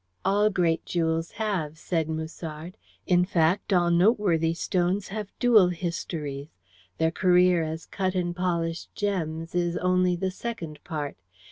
"All great jewels have," said Musard. "In fact, all noteworthy stones have dual histories. Their career as cut and polished gems is only the second part.